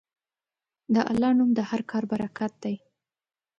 د الله نوم د هر کار برکت دی.